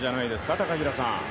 高平さん。